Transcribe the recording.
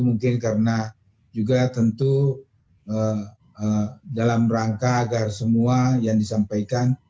mungkin karena juga tentu dalam rangka agar semua yang disampaikan